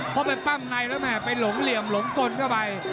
พอไปปั้มในแล้วแม่ไปหลงเหลี่ยมหลงกลเข้าไป